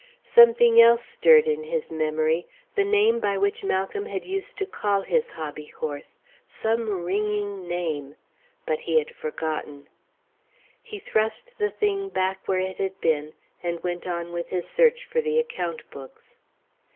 Something else stirred in his memory, the name by which Malcolm had used to call his hobbyhorse, some ringing name ... but he had forgotten. He thrust the thing back where it had been and went on with his search for the account books.